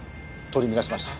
取り乱しました。